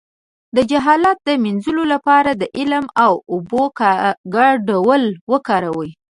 د جهالت د مینځلو لپاره د علم او اوبو ګډول وکاروئ